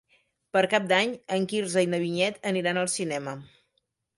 Per Cap d'Any en Quirze i na Vinyet aniran al cinema.